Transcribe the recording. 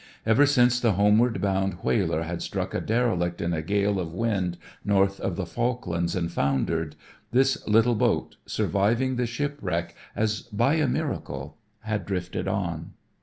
Ever since the homeward bound whaler had struck a derelict in a gale of wind north of the Falklands and foundered, this little boat, surviving the shipwreck as by a miracle, had drifted on.